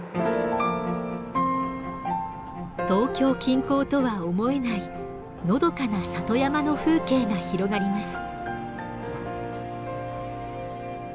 東京近郊とは思えないのどかな里山の風景が広がります。